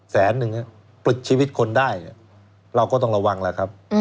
แสนนึงปลิดชีวิตคนได้เราก็ต้องระวังแล้วครับ